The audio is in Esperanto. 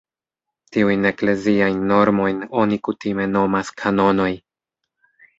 Tiujn ekleziajn normojn oni kutime nomas "kanonoj".